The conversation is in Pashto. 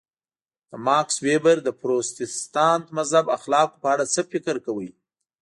د ماکس وېبر د پروتستانت مذهب اخلاقو په اړه څه فکر کوئ.